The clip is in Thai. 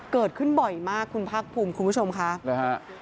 เกิดขึ้นบ่อยมากคุณภาคภูมิคุณผู้ชมค่ะหรือฮะ